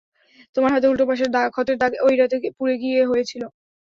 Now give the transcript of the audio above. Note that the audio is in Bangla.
তোমার হাতের উল্টো পাশের ক্ষতের দাগ ঐ রাতে পুড়ে গিয়ে হয়েছিল।